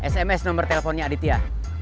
sms nomer teleponnya aditya